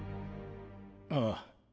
ああ。